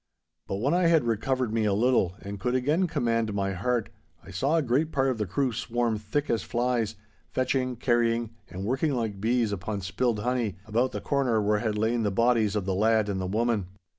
But when I had recovered me a little, and could again command my heart, I saw a great part of the crew swarm thick as flies—fetching, carrying, and working like bees upon spilled honey about the corner where had lain the bodies of the lad and the woman.